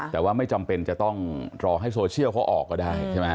แต่ว่าไม่จำเป็นจะต้องรอให้โซเชียลเขาออกก็ได้ใช่ไหม